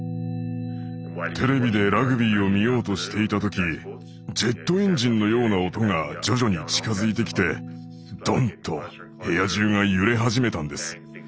テレビでラグビーを見ようとしていた時ジェットエンジンのような音が徐々に近づいてきてドン！と部屋中が揺れ始めたんです。